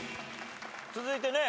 続いて。